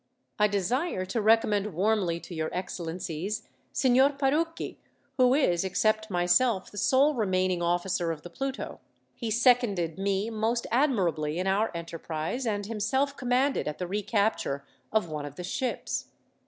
"I desire to recommend warmly to your excellencies Signor Parucchi, who is, except myself, the sole remaining officer of the Pluto. He seconded me most admirably in our enterprise, and himself commanded at the recapture of one of the ships.